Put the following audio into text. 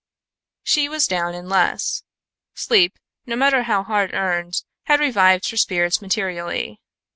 She was down in less. Sleep, no matter how hard earned, had revived her spirits materially.